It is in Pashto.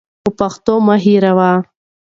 خو پښتو مه هېروئ.